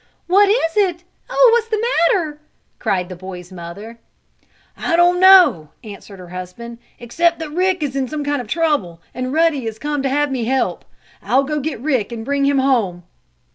"What is it? Oh, what's the matter?" cried the boy's mother. "I don't know," answered her husband, "except that Rick is in some kind of trouble, and Ruddy has come to have me help. I'll go get Rick and bring him home!"